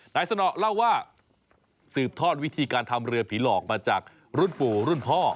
สนอเล่าว่าสืบทอดวิธีการทำเรือผีหลอกมาจากรุ่นปู่รุ่นพ่อ